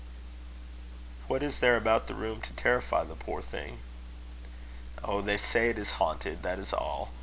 "What is there about the room to terrify the poor thing?" "Oh! they say it is haunted; that is all.